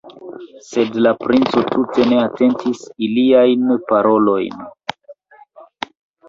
Sed la princo tute ne atentis iliajn parolojn.